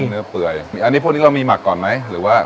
เนื้อเปื่อยอันนี้พวกนี้เรามีหมักก่อนไหมหรือว่า